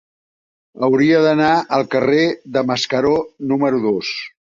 Hauria d'anar al carrer de Mascaró número dos.